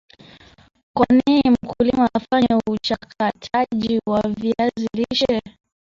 Kwanini mkulima afanye uchakataji wa viazi lishe